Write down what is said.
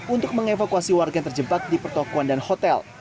untuk mengevakuasi warga yang terjebak di pertokohan dan hotel